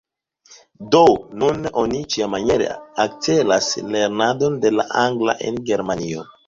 Do nun oni ĉiamaniere akcelas lernadon de la angla en Germanio.